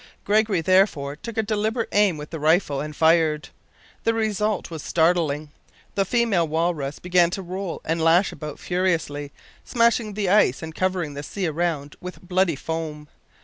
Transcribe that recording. Gregory therefore took a deliberate aim with the rifle and fired. The result was startling! The female walrus began to roll and lash about furiously, smashing the ice and covering the sea around with bloody foam.